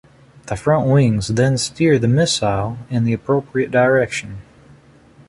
The front wings then steer the missile in the appropriate direction.